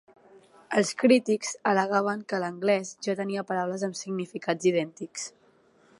Els crítics al·legaven que l'anglès ja tenia paraules amb significats idèntics.